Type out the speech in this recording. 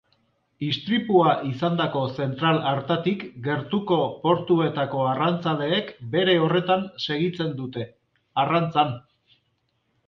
Istripua izandako zentral hartatik gertuko portuetako arrantzaleek bere horretan segitzen dute, arrantzan.